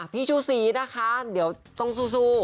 พี่ชูสีนะคะเดี๋ยวต้องสู้